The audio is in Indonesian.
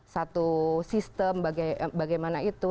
satu sistem bagaimana itu